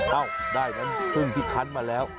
เอ้าได้น้ำกุ้งที่คันมาแล้ว